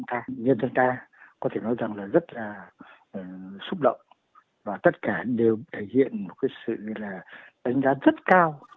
nhân dân ta có thể nói là rất là xúc động và tất cả đều thể hiện một sự ảnh đáng rất cao